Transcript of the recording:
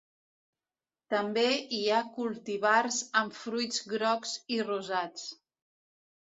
També hi ha cultivars amb fruits grocs i rosats.